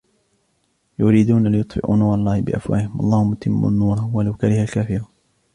يريدون ليطفئوا نور الله بأفواههم والله متم نوره ولو كره الكافرون